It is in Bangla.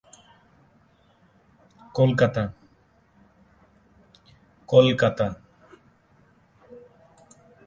ইংরেজরা এই হোয়াইট টাউনের সীমার মধ্যেই বসবাস করত।